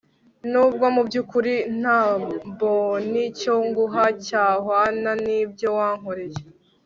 nubwo mubyukuri ntabon icyo nguha cyahwana nibyo wankoreye